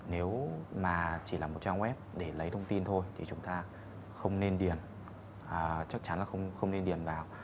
nếu mà chỉ là một trang web để lấy thông tin thôi thì chúng ta không nên điền chắc chắn là không nên điền vào